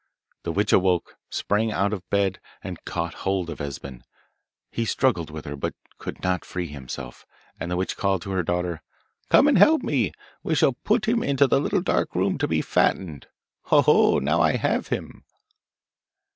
The witch awoke, sprang out of bed, and caught hold of Esben. He struggled with her, but could not free himself, and the witch called to her daughter, 'Come and help me; we shall put him into the little dark room to be fattened. Ho, ho! now I have him!